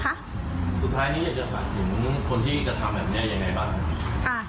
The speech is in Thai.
สุดท้ายนี้อยากจะฝากถึงคนที่กระทำแบบนี้ยังไงบ้าง